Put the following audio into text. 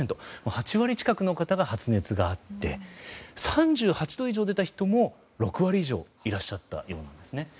８割近くの方が発熱があって３８度以上出た人も６割以上いらっしゃったようなんですね。